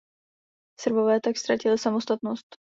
Srbové tak ztratili samostatnost.